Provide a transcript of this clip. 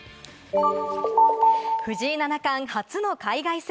藤井七冠、初の海外戦。